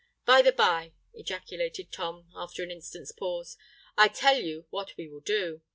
By the bye," ejaculated Tom, after an instant's pause, "I tell you what we will do!